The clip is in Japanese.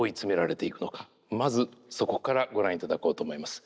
まずそこからご覧いただこうと思います。